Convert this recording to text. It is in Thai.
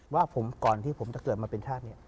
ว่าผมก่อนที่ผมจะเกิดมาเป็นชาติเนี่ย